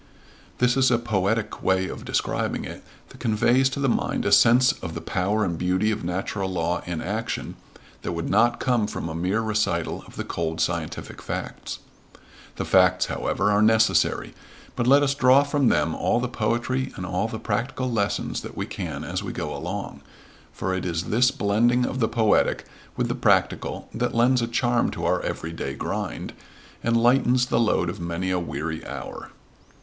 This is a poetic way of describing it that conveys to the mind a sense of the power and beauty of natural law in action, that would not come from a mere recital of the cold scientific facts. The facts, however, are necessary: but let us draw from them all the poetry and all the practical lessons that we can as we go along; for it is this blending of the poetic with the practical that lends a charm to our every day "grind," and lightens the load of many a weary hour.